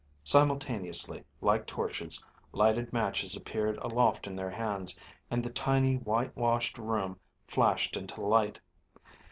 Simultaneously, like torches, lighted matches appeared aloft in their hands, and the tiny whitewashed room flashed into light.